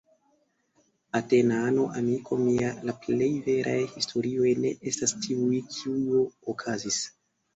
Atenano, amiko mia, la plej veraj historioj ne estas tiuj, kiujo okazis.